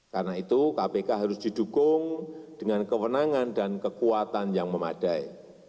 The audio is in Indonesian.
karena itu kpk harus didukung dengan kewenangan dan kekuatan yang memadai